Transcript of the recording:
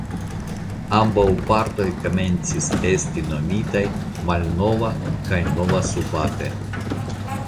Ambaŭ partoj komencis esti nomitaj Malnova kaj Nova Subate.